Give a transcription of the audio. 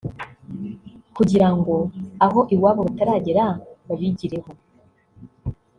kugira ngo aho iwabo bataragera babigireho